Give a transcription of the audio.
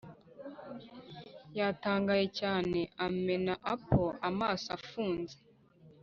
yatangaye cyane, amena ope amaso afunze,